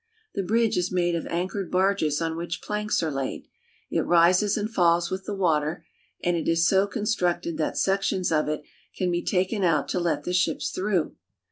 The bridge is made of anchored barges on which planks are laid. It rises and falls with the water, and is so constructed that sections of it can be taken out to let the ships through.